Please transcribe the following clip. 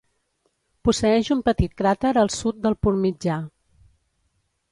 Posseeix un petit cràter al sud del punt mitjà.